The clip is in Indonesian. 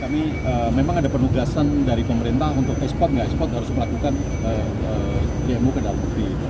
kami memang ada penugasan dari pemerintah untuk ekspor ngekspor harus melakukan demo ke dalam